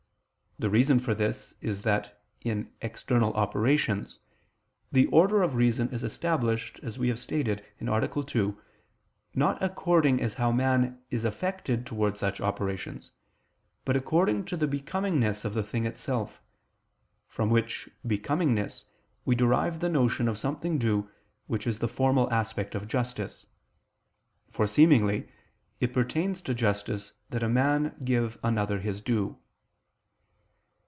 The reason for this is that in external operations, the order of reason is established, as we have stated (A. 2), not according as how man is affected towards such operations, but according to the becomingness of the thing itself; from which becomingness we derive the notion of something due which is the formal aspect of justice: for, seemingly, it pertains to justice that a man give another his due.